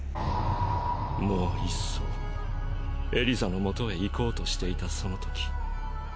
もういっそエリザのもとへ行こうとしていたそのとき。